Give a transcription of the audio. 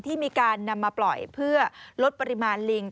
ที่มีการนำมาปล่อยเพื่อลดปริมาณลิง